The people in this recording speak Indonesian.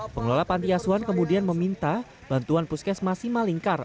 pengelola panti asuan kemudian meminta bantuan puskes masimal lingkar